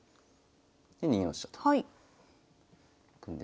で２四飛車といくんですけど。